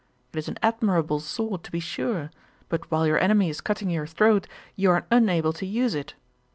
It is an admirable sword, to be sure: but while your enemy is cutting your throat, you are unable to use it.